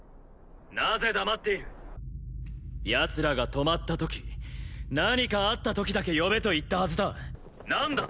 なぜ黙っているヤツらが止まったとき何かあったときだけ呼べと言ったはずだ何だ？